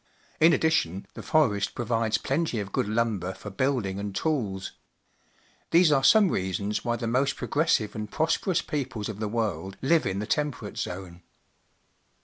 In addition, the forest provides plenty of good lumber for building and tools. These are some reasons why the most progressive and prosperous peoples of the world hve in the Temperate Zone.